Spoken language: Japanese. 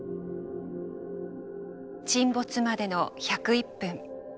沈没までの１０１分。